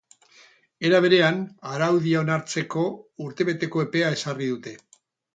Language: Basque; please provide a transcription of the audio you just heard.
Era berean, araudia onartzeko urtebeteko epea ezarri dute.